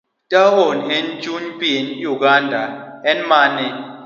taon ma en chuny piny Uganda en mane?